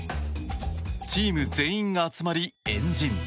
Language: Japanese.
チーム全員が集まり円陣。